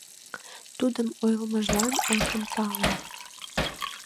Тудын ойлымыжлан акым палем...